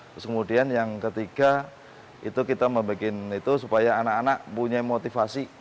terus kemudian yang ketiga itu kita membuat itu supaya anak anak punya motivasi